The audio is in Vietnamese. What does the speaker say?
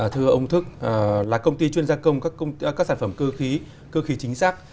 thưa ông thức là công ty chuyên gia công các sản phẩm cơ khí chính xác